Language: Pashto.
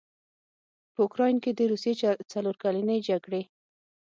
په اوکراین کې د روسیې څلورکلنې جګړې